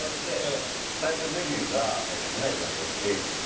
最初デビューが『花より男子』って映画。